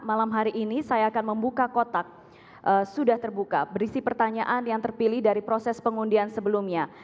malam hari ini saya akan membuka kotak sudah terbuka berisi pertanyaan yang terpilih dari proses pengundian sebelumnya